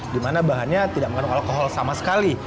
di mana bahannya tidak mengandung alkohol sama sekali